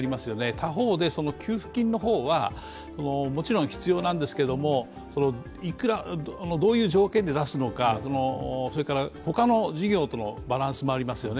他方で、給付金の方はもちろん必要なんですけどどういう条件で出すのか、それからほかの事業とのバランスもありますよね。